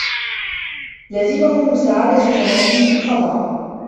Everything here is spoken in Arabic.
لَزِمَهُ مُسَاعِدَةُ زَمَانِهِ فِي الْقَضَاءِ